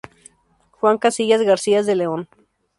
Juan Casillas García de León.